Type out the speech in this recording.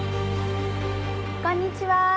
こんにちは。